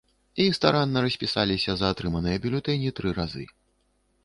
І старанна распісалася за атрыманыя бюлетэні тры разы.